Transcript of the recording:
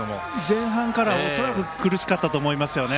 前半から恐らく苦しかったと思いますね。